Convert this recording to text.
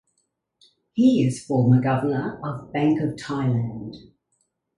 He is former governor of Bank of Thailand.